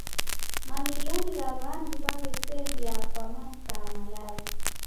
Mamilioni gha w'andu w'aw'eserie kwa masaa malazi.